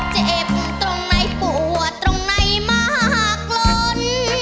เจ็บตรงไหนปวดตรงไหนมากล้น